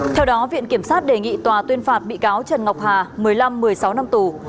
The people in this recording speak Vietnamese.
theo đó viện kiểm sát đề nghị tòa tuyên phạt bị cáo trần ngọc hà một mươi năm một mươi sáu năm tù